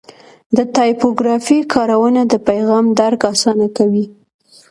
د ټایپوګرافي کارونه د پیغام درک اسانه کوي.